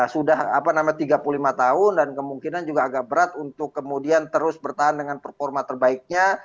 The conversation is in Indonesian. sudah tiga puluh lima tahun dan kemungkinan juga agak berat untuk kemudian terus bertahan dengan performa terbaiknya